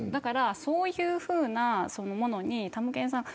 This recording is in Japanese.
そういうふうなものにたむけんさん